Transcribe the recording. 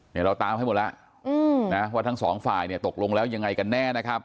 เดี๋ยวเราตามให้หมดแล้วนะว่าทั้งสองฝ่ายเนี่ยตกลงแล้วยังไงกันแน่นะครับ